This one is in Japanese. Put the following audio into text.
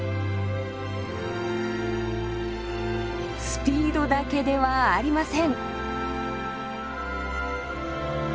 スピードだけではありません。